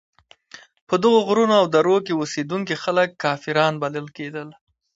په دغو غرونو او درو کې اوسېدونکي خلک کافران بلل کېدل.